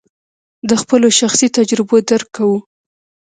د خپلو شخصي تجربو درک کوو.